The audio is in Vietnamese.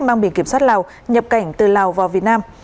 mang biển kiểm soát lào nhập cảnh từ lào vào việt nam